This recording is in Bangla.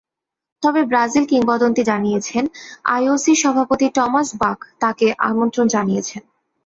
তবে ব্রাজিল কিংবদন্তি জানিয়েছেন, আইওসির সভাপতি টমাস বাখ তাঁকে আমন্ত্রণ জানিয়েছেন।